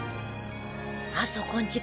あそこんち